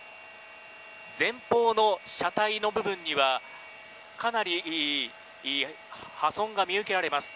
前方の車体の部分にはかなり破損が見受けられます。